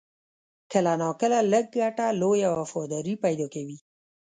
کله ناکله لږ ګټه، لویه وفاداري پیدا کوي.